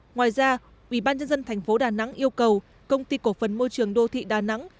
ngoài ra ubnd tp đà nẵng yêu cầu công ty cổ phần môi trường đô thị đà nẵng